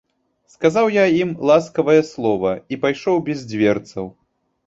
Сказаў я ім ласкавае слова і пайшоў без дзверцаў.